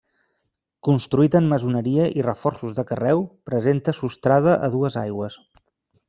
Construït en maçoneria i reforços de carreu, presenta sostrada a dues aigües.